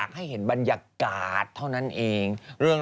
ไม่มีอะไรไม่น่าตื่นเต้น